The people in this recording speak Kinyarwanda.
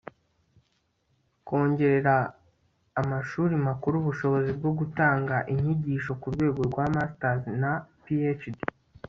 kongerera amashuri makuru ubushobozi bwo gutanga inyigisho ku rwego rwa masters na phd